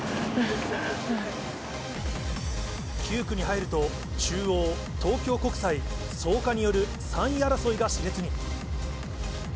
９区に入ると、中央、東京国際、創価による３位争いがしれつに。